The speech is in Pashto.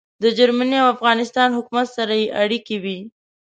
د جرمني او افغانستان حکومت سره يې اړیکې وې.